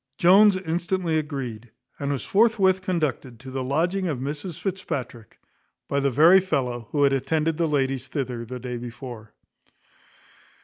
Jones instantly agreed, and was forthwith conducted to the lodging of Mrs Fitzpatrick by the very fellow who had attended the ladies thither the day before.